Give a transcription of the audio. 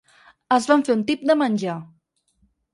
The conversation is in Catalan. Es van fer un tip de menjar